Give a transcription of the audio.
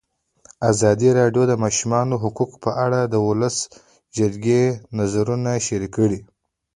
ازادي راډیو د د ماشومانو حقونه په اړه د ولسي جرګې نظرونه شریک کړي.